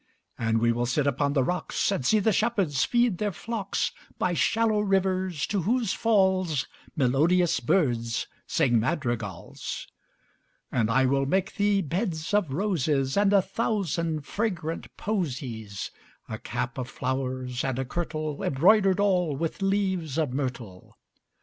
And we will sit upon the rocks, 5 And see the shepherds feed their flocks By shallow rivers, to whose falls Melodious birds sing madrigals. And I will make thee beds of roses And a thousand fragrant posies; 10 A cap of flowers, and a kirtle Embroider'd all with leaves of myrtle.